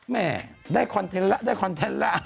แหมได้คอนเทนต์ละได้คอนเทนต์ละ